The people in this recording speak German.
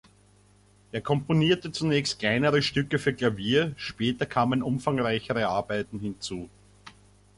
Er komponierte zunächst kleinere Stücke für Klavier, später kamen umfangreichere Arbeiten hinzu.